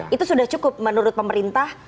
itu sudah cukup menurut pemerintah